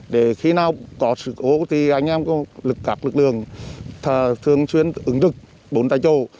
để khi nào có sự ố thì anh em có các lực lượng thường xuyên ứng dựng bốn tay chồ